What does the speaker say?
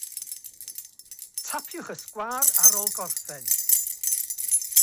Roedd hefyd yn arfer fflachio ei dillad isaf naill ai'n ddamweiniol neu ar bwrpas.